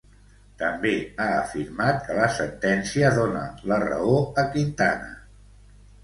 També ha afirmat que la sentència dona la raó a Quintana.